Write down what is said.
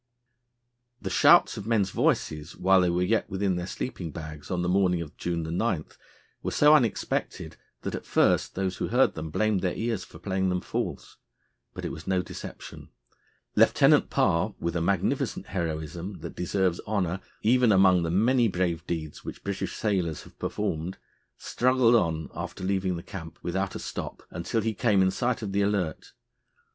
The shouts of men's voices while they were yet within their sleeping bags on the morning of June 9 were so unexpected, that, at first, those who heard them blamed their ears for playing them false. But it was no deception. Lieutenant Parr, with a magnificent heroism that deserves honour even among the many brave deeds which British sailors have performed, struggled on after leaving the camp without a stop until he came in sight of the Alert.